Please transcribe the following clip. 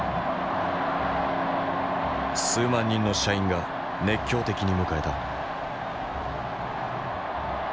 数万人の社員が熱狂的に迎えた。